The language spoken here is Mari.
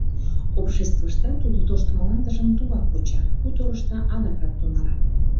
Обществыштат тудо тошто мландыжым тугак куча, хуторышто адакат тунарак.